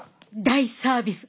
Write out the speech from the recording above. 大サービス。